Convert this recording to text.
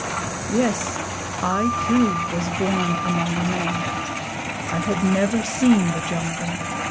Yes, I too was born among men. I had never seen the jungle.